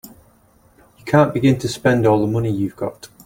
You can't begin to spend all the money you've got.